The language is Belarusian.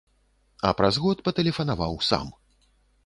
А праз год патэлефанаваў сам.